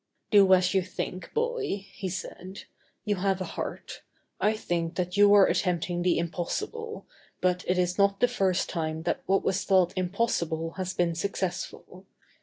"Do as you think, boy," he said; "you have a heart. I think that you are attempting the impossible, but it is not the first time that what was thought impossible has been successful.